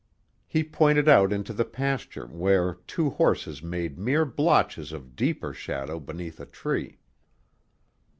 He pointed out into the pasture, where two horses made mere blotches of deeper shadow beneath a tree.